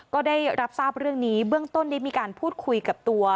ก็ได้รับทราบเรื่องนี้เบื้องต้นได้มีการพูดคุยกับตัว